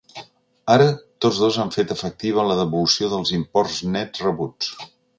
Ara, tots dos han fet efectiva la devolució dels imports nets rebuts.